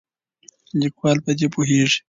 لیکوال په دې پوهیږي.